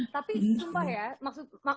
tapi sumpah ya